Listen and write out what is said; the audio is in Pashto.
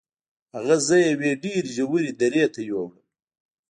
هغه زه یوې ډیرې ژورې درې ته یووړم.